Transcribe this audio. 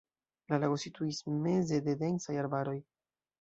La lago situis meze de densaj arbaroj.